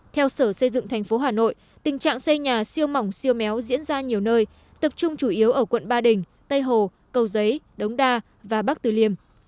theo sở xây dựng thành phố hà nội tình trạng xây nhà siêu mỏng siêu méo diễn ra nhiều nơi tập trung chủ yếu ở quận ba đình tây hồ cầu giấy đống đa và bắc từ liêm